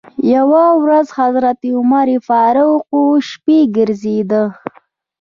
یوه ورځ حضرت عمر فاروق و شپې ګرځېده.